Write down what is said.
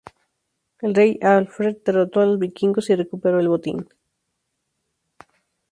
El rey Alfred derrotó a los vikingos y recuperó el botín.